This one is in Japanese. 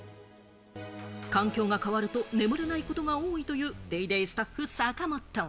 環境が変わると眠れないことが多いという『ＤａｙＤａｙ．』スタッフ・坂本。